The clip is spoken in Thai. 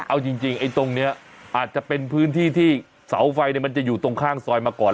เอาจริงไอ้ตรงนี้อาจจะเป็นพื้นที่ที่เสาไฟมันจะอยู่ตรงข้างซอยมาก่อน